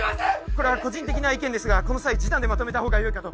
これは個人的な意見ですがこの際示談でまとめたほうがよいかと。